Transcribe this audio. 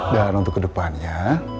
dan untuk kedepannya